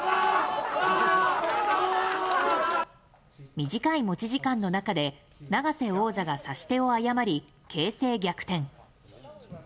短い持ち時間の中で永瀬王座が指し手を誤り形勢逆転。